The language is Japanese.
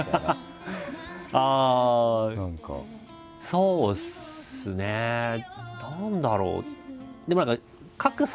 そうですね何だろう。